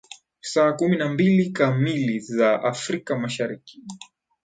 saa kumi na mbili kamili kwa saa za afrika mashariki